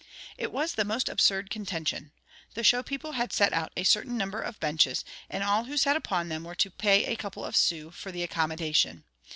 It was the most absurd contention. The show people had set out a certain number of benches; and all who sat upon them were to pay a couple of sous for the accommodation.